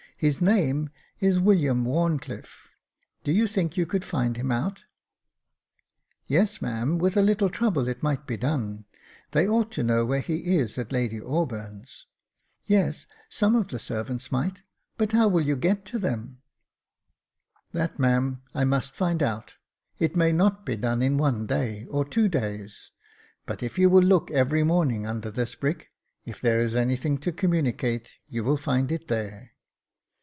His name is William WharnclifFe. Do you think you could find him out ?"" Yes, ma'am, with a little trouble it might be done. They ought to know where he is at Lady Auburn's." " Yes, some of the servants might — but how will you get to them ?" J.F. u 3o6 Jacob Faithful " That, ma'am, I must find out. It may not be done in one day, or two days, but if you will look every morning under this brick, if there is anything to communicate you will find it there."